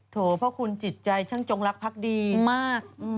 โถเพราะคุณจิตใจช่างจงรักพักดีมาก